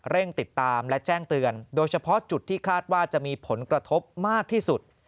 เร่งติดตามและแจ้งเตือนโดยเฉพาะจุดที่คาดว่าจะมีผลกระทบมากที่สุด